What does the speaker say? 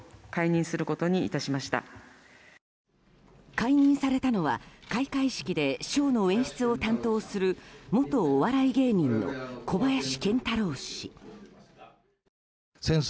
解任されたのは開会式でショーの演出を担当する元お笑い芸人の小林賢太郎氏。